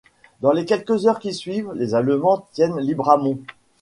Dans les quelques heures qui suivent, les Allemands tiennent Libramont.